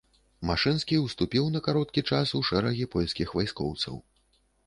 Машынскі ўступіў на кароткі час у шэрагі польскіх вайскоўцаў.